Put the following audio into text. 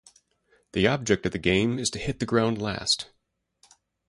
The object of the game is to hit the ground last.